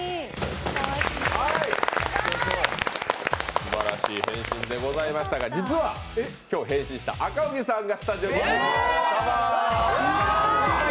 すばらしい変身でございましたが、実は今日、変身した赤荻さんがスタジオに来ています。